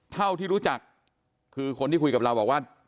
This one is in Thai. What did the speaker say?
เท่าที่รู้จักคือคนที่คุยกับเราบอกว่า